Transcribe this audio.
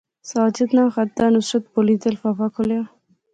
ساجد ناں خط دا، نصرت بولی تے لفافہ کھولیا